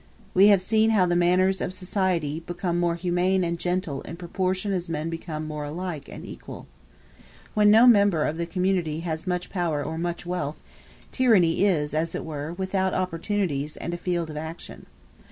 We have seen how the manners of society become more humane and gentle in proportion as men become more equal and alike. When no member of the community has much power or much wealth, tyranny is, as it were, without opportunities and a field of action.